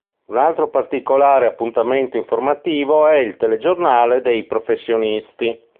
Un altro particolare appuntamento informativo è il "Telegiornale dei professionisti".